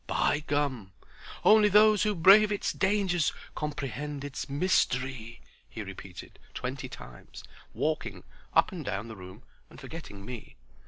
"By gum! "'Only those who brave its dangers Comprehend its mystery.'" he repeated twenty times, walking up and down the room and forgetting me.